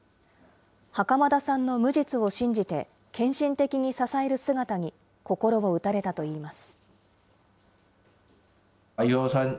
袴田さんの無実を信じて、献身的に支える姿に心を打たれたといいます。